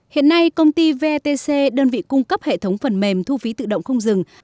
hiện nay công ty vetc đơn vị cung cấp hệ thống phần mềm thu phí tự động không dừng